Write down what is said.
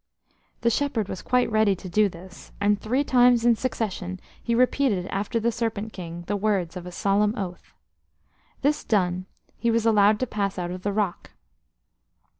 The shepherd was quite ready to do this, and three times in succession he repeated after the Serpent King the words of a solemn oath. This done, he was allowed to pass out of the rock.